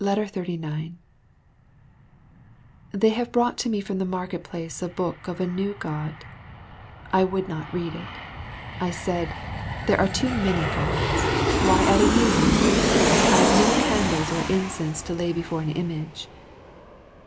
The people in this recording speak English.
39 They have brought to me from the market place a book of a new God. I would not read it. I said, "There are too many Gods why add a new one? I have no candles or incense to lay before an image."